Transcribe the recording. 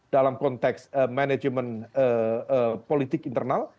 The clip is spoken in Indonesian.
dalam konteks manajemen politik internal